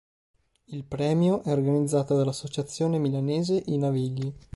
Il premio è organizzato dall'associazione milanese "I Navigli".